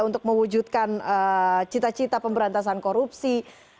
untuk mewujudkan cita cita pemberantasan korupsi